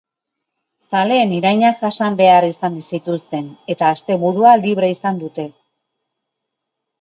Zaleen irainak jasan behar izan zituzten, eta asteburua libre izan dute.